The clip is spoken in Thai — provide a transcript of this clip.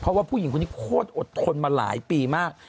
เพราะว่าผู้หญิงคนนี้โคตรอดทนมาหลายปีมาก